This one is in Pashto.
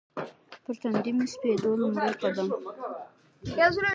پر تندي مې سپېدو لومړی قدم